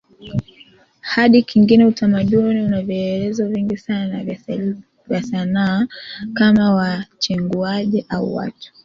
hadi kingine Utamaduni una vielelezo vingi sana vya Sanaa kama wachenguaji au watu